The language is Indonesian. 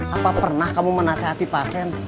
apa pernah kamu menasehati pasien